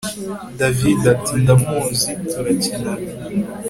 davide ati ndamuzi turakinana